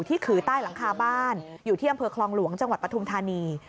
ขือใต้หลังคาบ้านอยู่ที่อำเภอคลองหลวงจังหวัดปฐุมธานี